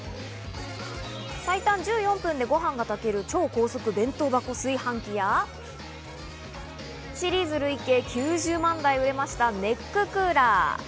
最短１４分でご飯が炊ける超高速弁当箱炊飯器や、シリーズ累計９０万台売れました、ネッククーラー。